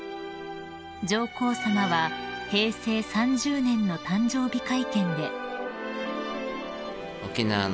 ［上皇さまは平成３０年の誕生日会見で］